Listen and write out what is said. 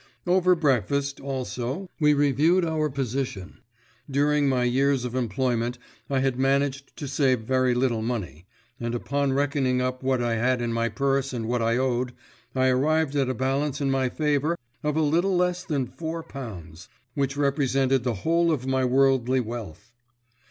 Over breakfast, also, we reviewed our position. During my years of employment I had managed to save very little money, and upon reckoning up what I had in my purse and what I owed, I arrived at a balance in my favour of a little less than four pounds, which represented the whole of my worldly wealth.